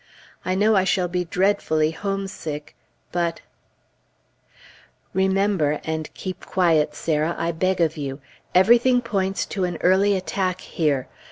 I know I shall be dreadfully homesick; but Remember and keep quiet, Sarah, I beg of you. Everything points to an early attack here.